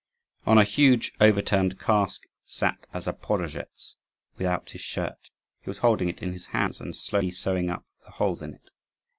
On a huge overturned cask sat a Zaporozhetz without his shirt; he was holding it in his hands, and slowly sewing up the holes in it.